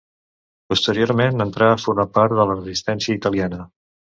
Posteriorment entrà a formar part de la resistència italiana.